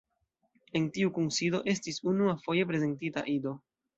En tiu kunsido estis unuafoje prezentita Ido.